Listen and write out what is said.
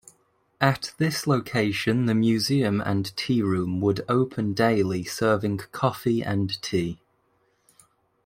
At this location the museum and tearoom would open daily serving coffee and tea.